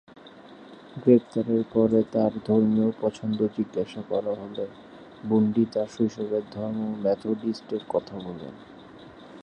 গ্রেপ্তারের পরে তাঁর ধর্মীয় পছন্দ জিজ্ঞাসা করা হলে, বুন্ডি তার শৈশবের ধর্ম "মেথোডিস্ট" এর কথা বলেন।